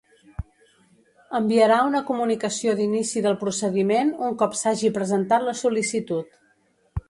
Enviarà una comunicació d'inici del procediment un cop s'hagi presentat la sol·licitud.